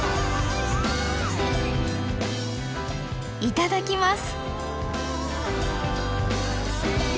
いただきます。